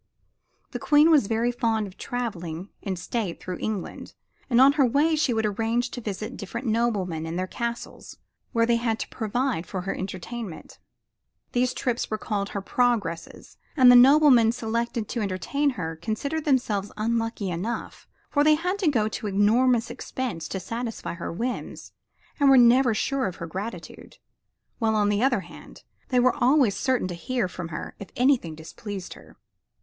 The Queen was very fond of traveling in state through England, and on her way would arrange to visit different noblemen in their castles, where they had to provide for her entertainment. These trips were called her "Progresses." And the noblemen selected to entertain her considered themselves unlucky enough, for they had to go to enormous expense to satisfy her whims, and were never sure of her gratitude, while on the other hand, they were always certain to hear from her if anything displeased her.